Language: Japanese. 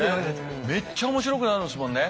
めっちゃ面白くなるんですもんね。